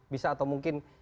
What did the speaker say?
bisa atau mungkin